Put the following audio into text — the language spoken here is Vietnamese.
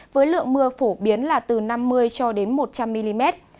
với lượng mưa phổ biến là từ năm mươi cho đến một trăm linh mm